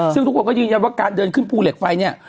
ซึ่งทุกคนก็ยืนยันว่าการเดินขึ้นภูเหล็กไฟเนี่ย